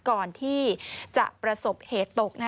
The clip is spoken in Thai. ก่อนที่จะประสบเหตุตก